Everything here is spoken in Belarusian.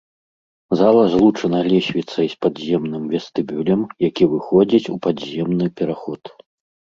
Зала злучана лесвіцай з падземным вестыбюлем, які выходзіць у падземны пераход.